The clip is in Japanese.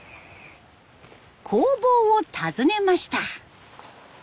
工房を訪ねました。